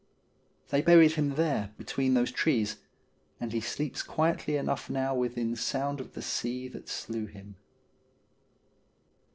They buried him there between those trees, and he sleeps quietly enough now within sound of the sea that slew him.